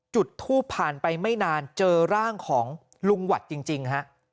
จุดทูบผ่านไปไม่นานเจอร่างของลุงหวัดจริงฮะ